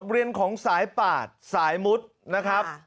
เรียนของสายปาดสายมุดนะครับ